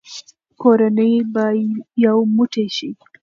کورنۍ به یو موټی شي.